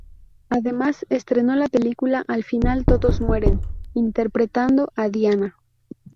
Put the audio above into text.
Además, estrenó la película "Al final todos mueren" interpretando a Diana.